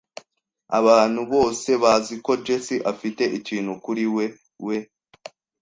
Abantu bose bazi ko Jessie afite ikintu kuri wewe.